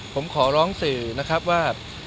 ผมขอร้องสื่อนะครับว่า